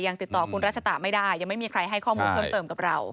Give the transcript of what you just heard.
ยังติดต่อคุณรัชตะไม่ได้ยังไม่มีใครให้ข้อมูลเพิ่มเติมกับเรา